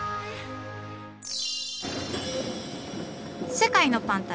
世界のパン旅。